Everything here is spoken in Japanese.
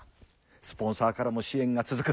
スポンサーからも支援が続く。